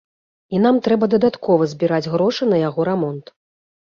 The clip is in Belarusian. І там трэба дадаткова збіраць грошы на яго рамонт.